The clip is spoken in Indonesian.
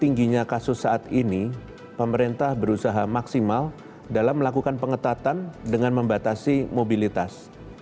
tingginya kasus saat ini pemerintah berusaha maksimal dalam melakukan pengetatan dengan membatasi mobilitas